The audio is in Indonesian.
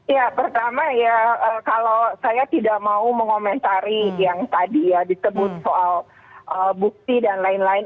ya pertama ya kalau saya tidak mau mengomentari yang tadi ya disebut soal bukti dan lain lain